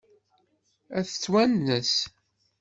Ad t-twanes?